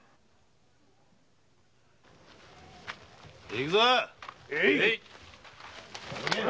行くぞ！